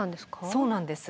そうなんです。